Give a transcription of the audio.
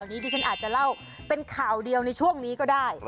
อันนี้ดิฉันอาจจะเล่าเป็นข่าวเดียวในช่วงนี้ก็ได้